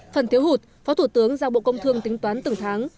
phần thiếu hụt phó thủ tướng giao bộ công thương tính toán từng tháng